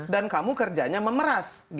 dan kamu kerjanya memeras